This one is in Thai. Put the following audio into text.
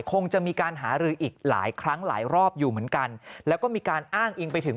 คงจะมีการหารืออีกหลายครั้งหลายรอบอยู่เหมือนกัน